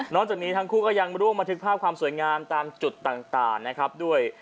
จากนี้ทั้งคู่ก็ยังร่วมบันทึกภาพความสวยงามตามจุดต่างนะครับด้วย